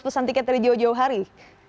pesan tiket dari jauh jauh hari